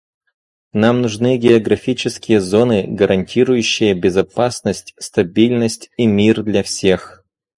Нам нужны географические зоны, гарантирующие безопасность, стабильность и мир для всех.